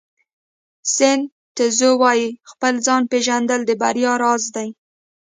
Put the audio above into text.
سن ټزو وایي خپل ځان پېژندل د بریا راز دی.